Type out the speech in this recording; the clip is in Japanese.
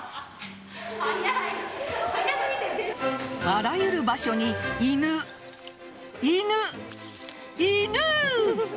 あらゆる場所に犬、犬、犬。